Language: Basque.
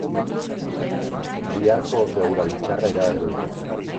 Biharko oso eguraldi txarra iragarri dute